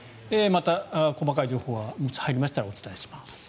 また細かい情報が入りましたらお伝えします。